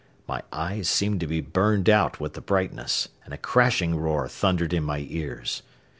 My eyes seemed to be burned out with the brightness, and a crashing roar thundered in my ears.